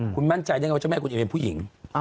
คุณมั่นใจได้ไงว่าเจ้าแม่คุณเอมเป็นผู้หญิง